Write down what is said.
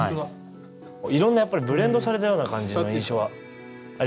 いろんなやっぱりブレンドされたような感じの印象はありますね。